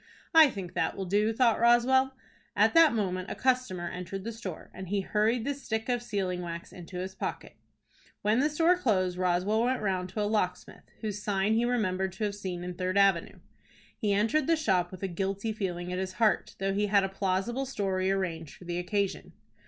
"I think that will do," thought Roswell. At that moment a customer entered the store, and he hurried the stick of sealing wax into his pocket. When the store closed, Roswell went round to a locksmith, whose sign he remembered to have seen in Third Avenue. He entered the shop with a guilty feeling at his heart, though he had a plausible story arranged for the occasion.